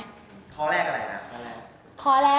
ข้อแรกอะไรนะข้อแรก